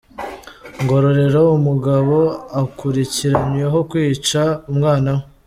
Ngororero: Umugabo akurikiranyweho kwica umwana we .